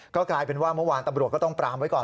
ก็กลายเป็นว่าเมื่อวานตำรวจก็ต้องปรามไว้ก่อน